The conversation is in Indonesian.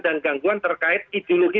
dan gangguan terkait ideologi